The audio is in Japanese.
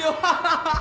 ハハハ！